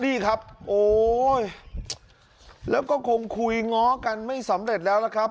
นี่ครับโอ้ยแล้วก็คงคุยง้อกันไม่สำเร็จแล้วนะครับ